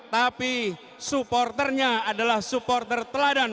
tapi supporternya adalah supporter teladan